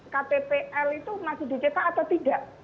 ktpl itu masih dicetak atau tidak